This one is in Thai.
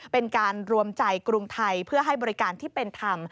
เป็นการรวมใจกรุงไทยเพื่อให้บริการที่เป็นธรรม